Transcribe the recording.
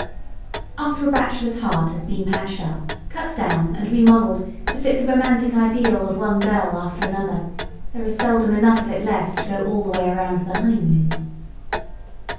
After a bachelor's heart has been patched up, cut down and remodeled to fit the romantic ideal of one girl after another, there is seldom enough of it left to go all the way around the honeymoon.